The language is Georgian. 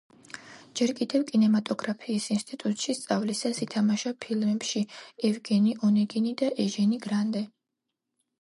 ჯერ კიდევ კინემატოგრაფიის ინსტიტუტში სწავლისას ითამაშა ფილმებში: „ევგენი ონეგინი“ და „ეჟენი გრანდე“.